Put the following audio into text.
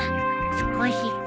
少し。